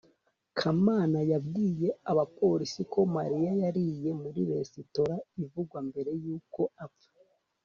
kamana yabwiye abapolisi ko mariya yariye muri resitora ivugwa mbere yuko apfa